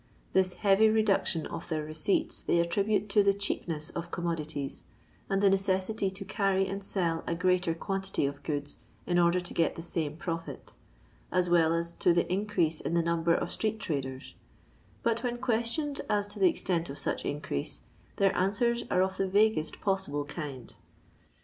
This heavy reduction of their receipts they attribute to the cheapness of commodities, and the necessity to carry and sell a greater quantity of goods in order to get the same profit, as well as to the in crease in the number of street traders ; but when questioned as to the extent of such increase, their answers are of the vaguest possible kind.